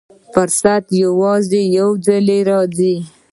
فرصت یوازې یو ځل راځي.